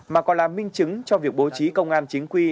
mà còn là minh chứng cho việc bố trí công an chính quy